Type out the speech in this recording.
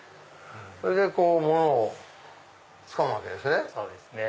それで物をつかむわけですね。